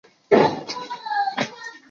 有一子。